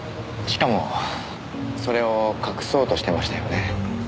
しかもそれを隠そうとしてましたよね。